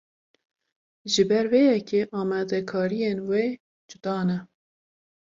Ji ber vê yekê amadekariyên wê cuda ne.